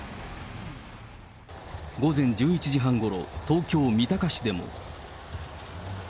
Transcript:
午前１１時半ごろ、東京・三鷹市でも。